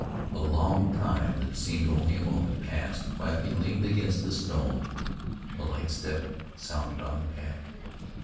A long time that seemed only a moment passed while he leaned against a stone. A light step sounded on the path.